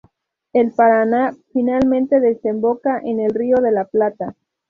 El Paraná finalmente desemboca en el Río de la Plata.